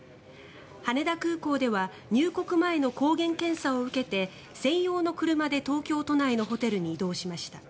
羽田空港では入国前の抗原検査を受けて専用の車で東京都内のホテルに移動しました。